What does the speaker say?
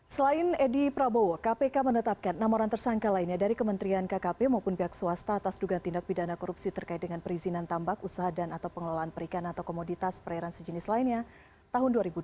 selain edi prabowo kpk menetapkan enam orang tersangka lainnya dari kementerian kkp maupun pihak swasta atas dugaan tindak pidana korupsi terkait dengan perizinan tambak usaha dan atau pengelolaan perikan atau komoditas perairan sejenis lainnya tahun dua ribu dua puluh